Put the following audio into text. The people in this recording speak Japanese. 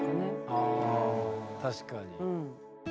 あ確かに。